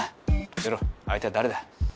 教えろ相手は誰だ？